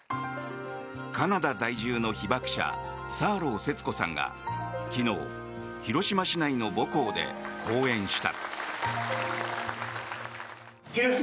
カナダ在住の被爆者サーロー節子さんが昨日、広島市内の母校で講演した。